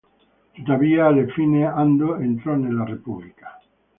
Tuttavia alla fine Ando entrò nella Repubblica.